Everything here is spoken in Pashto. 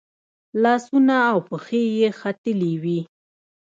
لاسونه او پښې یې ختلي وي.